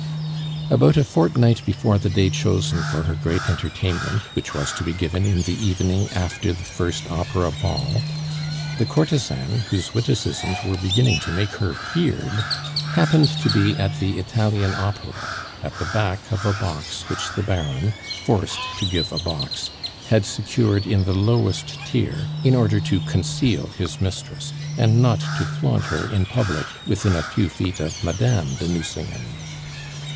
About a fortnight before the day chosen for her great entertainment, which was to be given in the evening after the first opera ball, the courtesan, whose witticisms were beginning to make her feared, happened to be at the Italian opera, at the back of a box which the Baron forced to give a box had secured in the lowest tier, in order to conceal his mistress, and not to flaunt her in public within a few feet of Madame de Nucingen.